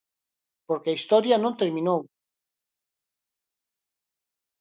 Porque a historia non terminou.